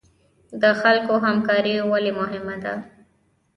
د خلکو همکاري ولې مهمه ده؟